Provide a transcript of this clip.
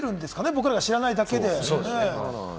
僕らが知らないだけで。